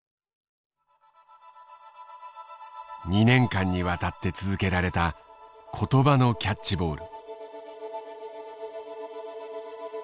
２年間にわたって続けられた言葉のキャッチボール。